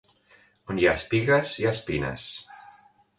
On no hi ha espigues, hi ha espines.